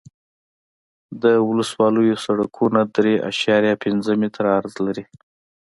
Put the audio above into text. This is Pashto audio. د ولسوالیو سرکونه درې اعشاریه پنځه متره عرض لري